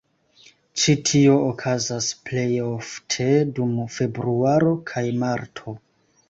Ĉi tio okazas plejofte dum februaro kaj marto.